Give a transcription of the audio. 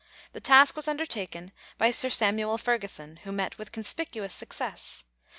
The task was undertaken by Sir Samuel Ferguson, who met with conspicuous success.